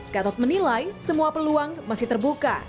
gatot menilai semua peluang masih terbuka